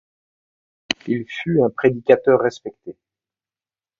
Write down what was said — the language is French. Il fut un prédicateur respecté.